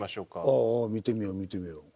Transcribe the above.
ああああ見てみよう見てみよう。